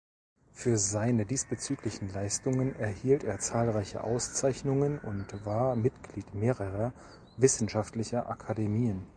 Für seine diesbezüglichen Leistungen erhielt er zahlreiche Auszeichnungen und war Mitglied mehrerer wissenschaftlicher Akademien.